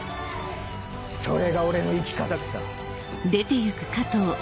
それが俺の生き方くさ！